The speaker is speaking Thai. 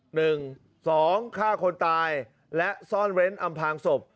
หนึ่งสองฆ่าคนตายและซ่อนเร้นอำพางศพ